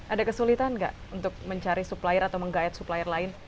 ada kesulitan nggak untuk mencari supplier atau menggait supplier lain